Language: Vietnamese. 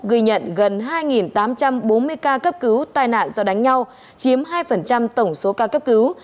ghi nhận gần hai tám trăm bốn mươi ca cấp cứu tai nạn do đánh nhau chiếm hai tổng số ca cấp cứu